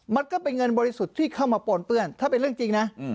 มันก็เป็นเงินบริสุทธิ์ที่เข้ามาปนเปื้อนถ้าเป็นเรื่องจริงนะ